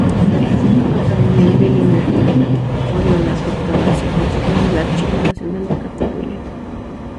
El fondo patrimonial del linaje Oriola-Cortada se conserva en el Archivo Nacional de Cataluña.